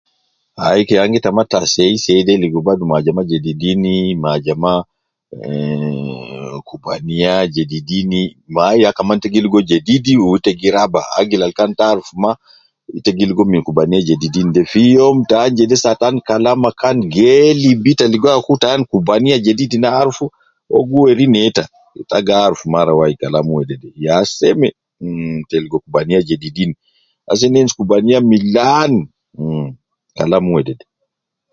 Ayike ana gi tamataa seiseide ligo Badu ma kubaniya jedidin ma ajamaa mm kubaniya jedidin ma yaa ita kaman gi ligo fi youm taan Kalam geelib ita ya aku taan ku